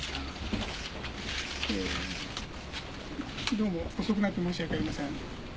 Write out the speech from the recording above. どうも遅くなって申し訳ありません。